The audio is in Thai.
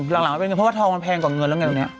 หลังมันเป็นเงินเพราะว่าทองมันแพงกว่าเงินแล้วไงวันนี้